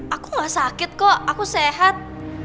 aku gak sakit kok aku sehat